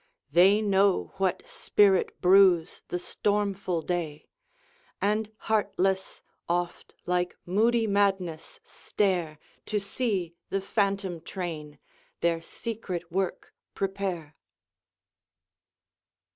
They know what spirit brews the stormful day, And, heartless, oft like moody madness stare To see the phantom train their secret work prepare.